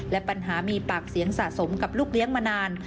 และปัญหามีปากเสียงสะสมกับลูกเลี้ยงมานาน